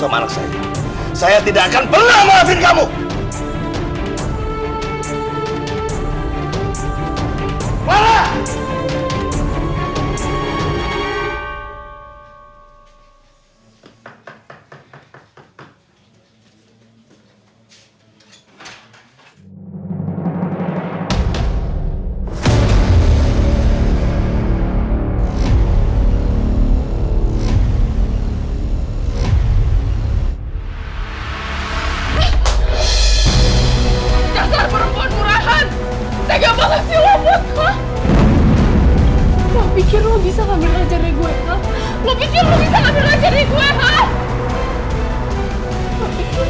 gak ada yang mengharapkan bayi itu